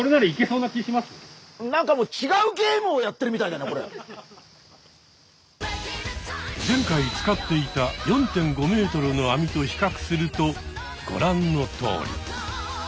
先生なんかもう前回使っていた４．５ｍの網と比較するとご覧のとおり。